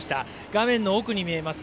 画面の奥に見えます